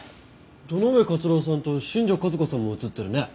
堂上克郎さんと新庄和子さんも写ってるね。